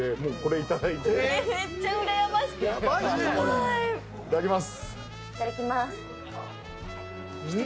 いただきます。